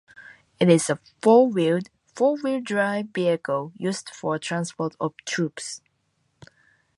It is a four-wheeled, four-wheel drive vehicle, used for transport of troops.